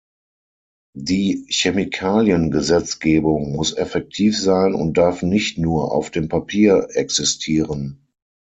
Die Chemikaliengesetzgebung muss effektiv sein und darf nicht nur auf dem Papier existieren.